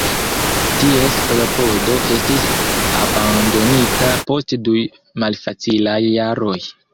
Ties klopodo estis abandonita post du malfacilaj jaroj.